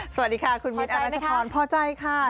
สวัสดีค่ะคุณมิ้นอรัชพรพอใจค่ะ